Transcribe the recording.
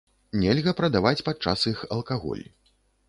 Нельга прадаваць падчас іх алкаголь.